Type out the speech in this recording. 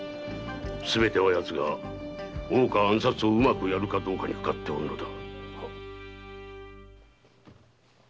すべては奴が大岡暗殺をうまくやるかどうかにかかっておるのだ。